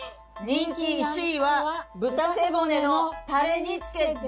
人気１位は豚背骨のタレ煮付けですか？